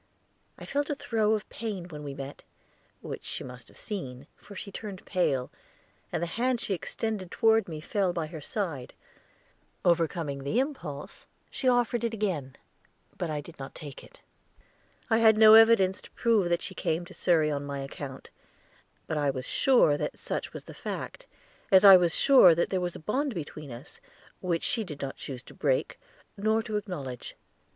I felt a throe of pain when we met, which she must have seen, for she turned pale, and the hand she had extended toward me fell by her side; overcoming the impulse, she offered it again, but I did not take it. I had no evidence to prove that she came to Surrey on my account; but I was sure that such was the fact, as I was sure that there was a bond between us, which she did not choose to break, nor to acknowledge.